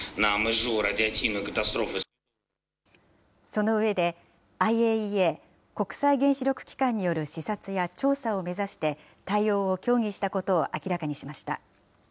その上で、ＩＡＥＡ・国際原子力機関による視察や調査を目指して、対応を協議したことを明らかにしました。